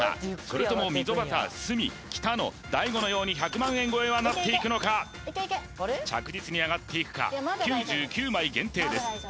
それとも溝端鷲見北乃大悟のように１００万円超えはなっていくのか着実に上がっていくか９９枚限定です